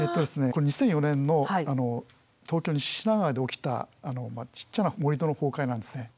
これ２００４年の東京の西品川で起きたちっちゃな盛り土の崩壊なんですね。